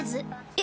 え？